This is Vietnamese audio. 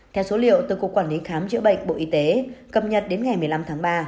theo số liệu từ cục quản lý khám chữa bệnh bộ y tế cập nhật đến ngày một mươi năm tháng ba